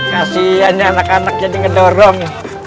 kasian nih anak anak jadi ngedorong